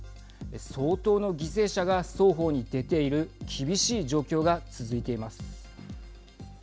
相当の犠牲者が双方に出ている厳しい状況が続いています。